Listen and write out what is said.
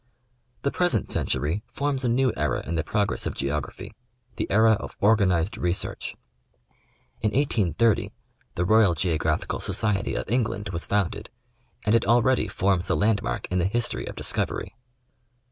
The present century forms a new era in the progress of geog raphy — the era of organized research. In 1830, the Royal Geographical Society of England was founded, and it already forms a landmark in the history of discovery.